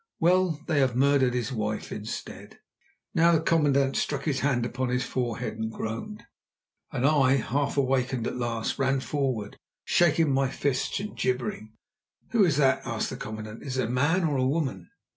Well, they have murdered his wife instead." Now the commandant struck his hand upon his forehead and groaned, and I, half awakened at last, ran forward, shaking my fists and gibbering. "Who is that?" asked the commandant. "Is it a man or a woman?"